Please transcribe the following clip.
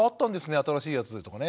新しいやつ」とかね。